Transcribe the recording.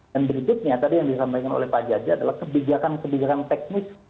berikutnya tadi yang disampaikan oleh pak jaja adalah kebijakan kebijakan teknis